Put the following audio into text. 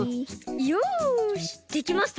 よしできました！